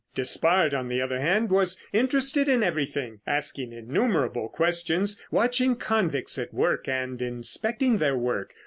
Despard, on the other hand, was interested in everything, asking innumerable questions, watching convicts at work and inspecting their work.